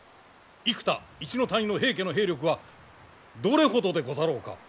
生田一ノ谷の平家の兵力はどれほどでござろうか。